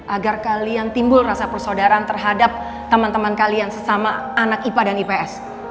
agar kalian timbul rasa persaudaraan terhadap teman teman kalian sesama anak ipa dan ips